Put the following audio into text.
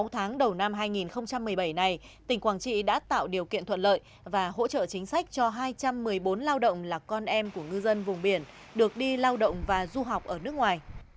sáu tháng đầu năm hai nghìn một mươi bảy này tỉnh quảng trị đã tạo điều kiện thuận lợi và hỗ trợ chính sách cho hai trăm một mươi bốn lao động là con em của ngư dân vùng biển được đi lao động và du học ở nước ngoài